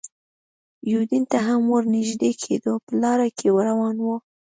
یوډین ته هم ور نږدې کېدو، په لاره کې روان و.